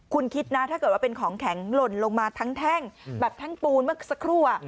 คุณคิดนะถ้าเกิดว่าเป็นของแข็งหล่นลงมาทั้งแท่งแบบแท่งปูนเมื่อสักครู่